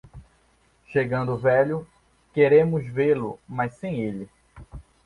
Chegando velho, queremos vê-lo, mas sem ele.